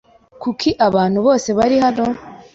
Kuki aba bantu bose bari hano?